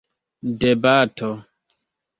debato